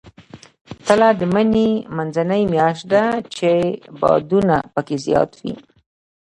تله د مني منځنۍ میاشت ده، چې بادونه پکې زیات وي.